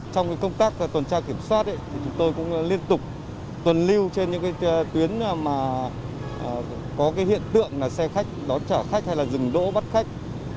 trong công tác tuần tra kiểm soát thì chúng tôi cũng liên tục tuần lưu trên những tuyến mà có hiện tượng là xe khách đón trả khách hay là dừng đỗ bắt khách